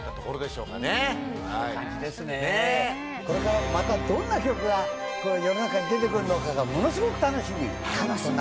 これからまたどんな曲が世の中に出てくるのかがものすごく楽しみ楽しみ